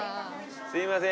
すいません。